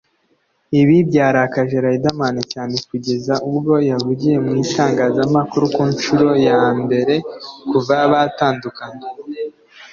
Ibi byarakaje Riderman cyane kugeza ubwo yavugiye mu itangazamakuru ku nshuro ya mbere kuva batandukana